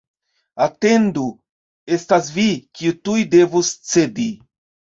Atendu, estas vi, kiu tuj devos cedi!